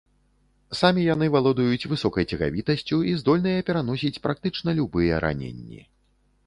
Самі яны валодаюць высокай цягавітасцю і здольныя пераносіць практычна любыя раненні.